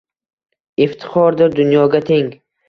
Iftixordir dunyoga teng.